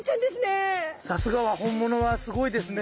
さすがは本物はすごいですね。